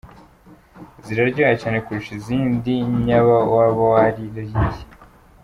Ziraryoha cyane kurusha izindi nyaba waba warariye.